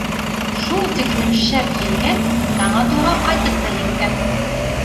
Шул тиклем шәп елгән, таң атыуға ҡайтып та еткән.